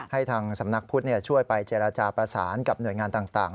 ให้ทางสำนักพุทธช่วยไปเจรจาประสานกับหน่วยงานต่าง